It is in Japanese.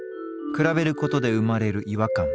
比べることで生まれる違和感。